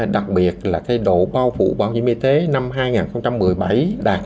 đặc biệt là độ bao phụ bảo hiểm y tế năm hai nghìn một mươi bảy đạt tám mươi ba năm mươi bốn